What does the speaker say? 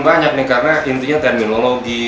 banyak nih karena intinya terminologi